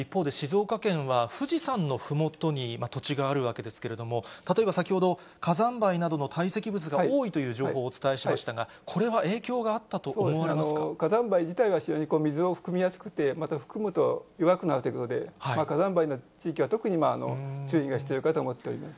一方で静岡県は、富士山のふもとに土地があるわけですけれども、例えば先ほど、火山灰などの堆積物が多いという情報をお伝えしましたが、これは火山灰自体は非常に水を含みやすくて、また含むと弱くなるということで、火山灰の地域は特に注意が必要かと思っております。